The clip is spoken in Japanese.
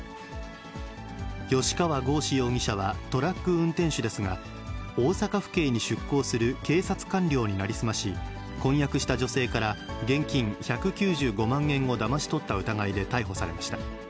吉川剛司容疑者は、トラック運転手ですが、大阪府警に出向する警察官僚に成り済まし、婚約した女性から現金１９５万円をだまし取った疑いで逮捕されました。